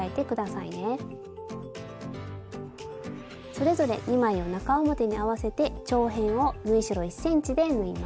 それぞれ２枚を中表に合わせて長辺を縫い代１ｃｍで縫います。